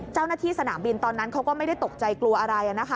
เจ้าหน้าที่สนามบินตอนนั้นเขาก็ไม่ได้ตกใจกลัวอะไร